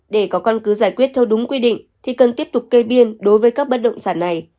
để có căn cứ giải quyết theo đúng quy định thì cần tiếp tục kê biên đối với các bất động sản này